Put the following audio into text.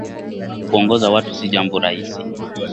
Kuongoza watu si jambo raisi